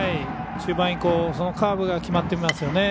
中盤以降カーブが決まっていますよね。